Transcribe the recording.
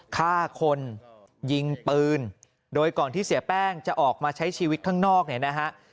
ฆ่าคนยิงปืนโดยก่อนที่เสียแป้งจะออกมาใช้ชีวิตข้างนอกเนี่ยนะฮะ